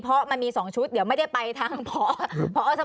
เพราะมันมีสองชุดไม่จะไปทางของภอสมัคร